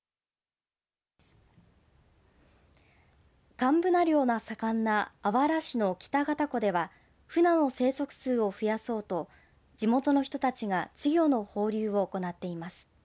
寒ブナ漁が盛んなあわら市の北潟湖ではフナの生息数を増やそうと地元の人たちが稚魚の放流を行っています。